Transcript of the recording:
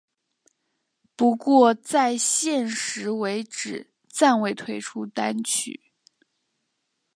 不过在现时为止暂未推出单曲。